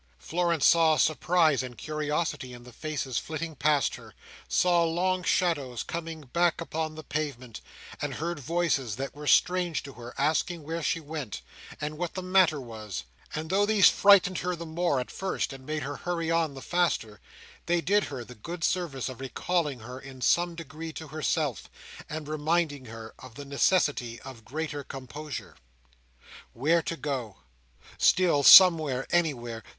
Florence saw surprise and curiosity in the faces flitting past her; saw long shadows coming back upon the pavement; and heard voices that were strange to her asking her where she went, and what the matter was; and though these frightened her the more at first, and made her hurry on the faster, they did her the good service of recalling her in some degree to herself, and reminding her of the necessity of greater composure. Where to go? Still somewhere, anywhere!